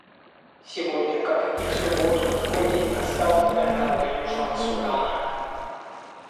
Сегодня, как и в субботу, такой день настал для народа Южного Судана.